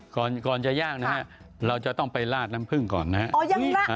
ก่อนก่อนจะย่างนะฮะเราจะต้องไปลาดน้ำผึ้งก่อนนะฮะ